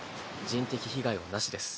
人的被害はなしです。